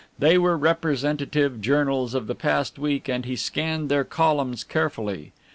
They were representative journals of the past week, and he scanned their columns carefully.